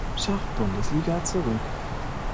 Schachbundesliga zurück.